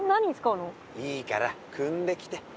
いいからくんできて。